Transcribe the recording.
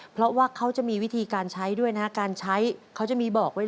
เพราะว่าเขาจะมีวิธีการใช้ด้วยนะครับ